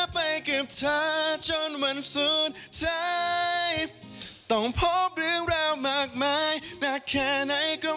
เป็นเพลงรักที่แบบ